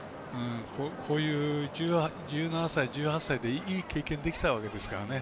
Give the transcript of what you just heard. こういう１７歳、１８歳でいい経験できたわけですからね。